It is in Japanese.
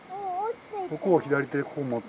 ここを左手でここ持って。